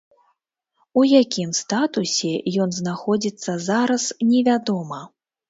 У якім статусе ён знаходзіцца зараз, невядома.